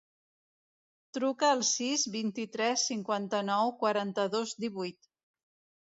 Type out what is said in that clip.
Truca al sis, vint-i-tres, cinquanta-nou, quaranta-dos, divuit.